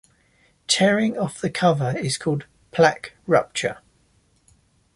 Tearing of the cover is called "plaque rupture".